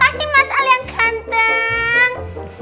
makasih mas al yang ganteng